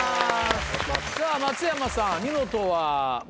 さぁ松山さん。